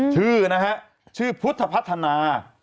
ชื่อนะฮะชื่อพุทธพัฒนา